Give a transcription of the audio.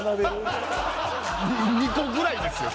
２個ぐらいですよ。